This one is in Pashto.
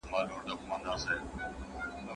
د هېواد په جوړولو سره.